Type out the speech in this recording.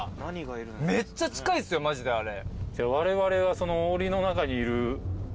めっちゃ近いっすよマジであれ。